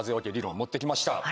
桶理論持ってきました。